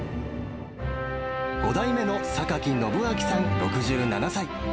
５代目の榊信明さん６７歳。